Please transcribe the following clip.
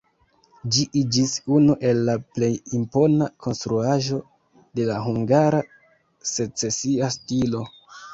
Ĝi iĝis unu el la plej impona konstruaĵo de la hungara secesia stilo.